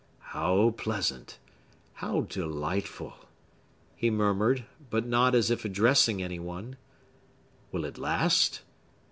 "How pleasant!—How delightful!" he murmured, but not as if addressing any one. "Will it last?